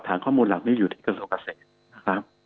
ข้อมูลหลักนี้อยู่ที่กระทรวงเกษตรนะครับ